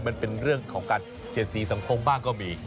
มันเป็นเรื่องของการเสียดสีสังคมบ้างก็มี